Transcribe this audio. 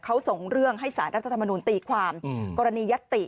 เขาส่งเรื่องให้สารรัฐธรรมนูลตีความกรณียัตติ